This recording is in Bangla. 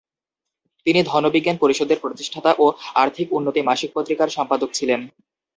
তিনি ধনবিজ্ঞান পরিষদের প্রতিষ্ঠাতা ও 'আর্থিক উন্নতি' মাসিক পত্রিকার সম্পাদক ছিলেন।